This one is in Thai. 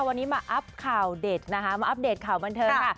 วันนี้มาอัพข่าวเด็ดนะคะมาอัปเดตข่าวบันเทิงค่ะ